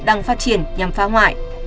đang phát triển nhằm phá hoại